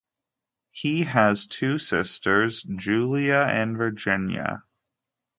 He has two sisters, Julia and Virginia.